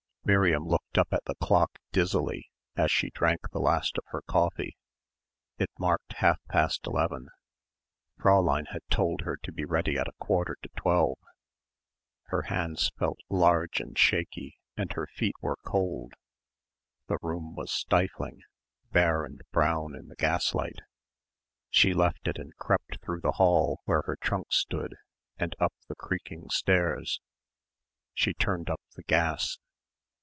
Miriam looked up at the clock dizzily as she drank the last of her coffee. It marked half past eleven. Fräulein had told her to be ready at a quarter to twelve. Her hands felt large and shaky and her feet were cold. The room was stifling bare and brown in the gaslight. She left it and crept through the hall where her trunk stood and up the creaking stairs. She turned up the gas.